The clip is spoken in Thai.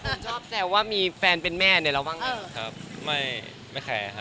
นายจะแสวว่ามีแฟนเป็นแม่ในรองบ้างไหม